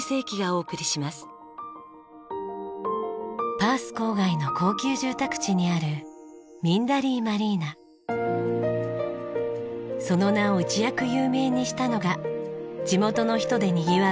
パース郊外の高級住宅地にあるその名を一躍有名にしたのが地元の人でにぎわう